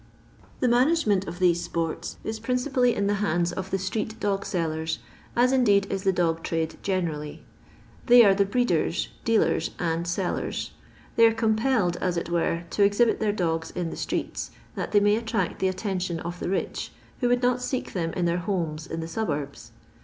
The management of these sports is principally in the hands of the street dog sellers, as indeed is the dog trade generally. They are the breeders, dealers, and sellers. They are compelled, as it were, to exhibit their dogs in the streets, that they may attract the attention of the rich, who would not seek them in their homes in the suburbs.